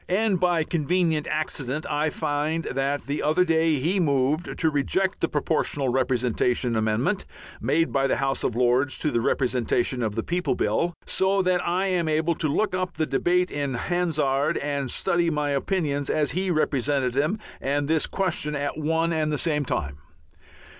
And by a convenient accident I find that the other day he moved to reject the Proportional Representation Amendment made by the House of Lords to the Representation of the People Bill, so that I am able to look up the debate in Hansard and study my opinions as he represented them and this question at one and the same time.